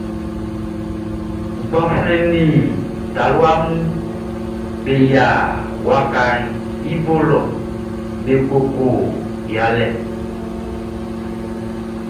Gbanflɛn nin talua mun be yia wakaʼn i bo lɔ be koko yalɛ.